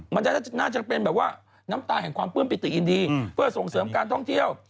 น่าจะน่าจะเป็นแบบว่าน้ำตาแห่งความปลื้มปิติยินดีเพื่อส่งเสริมการท่องเที่ยว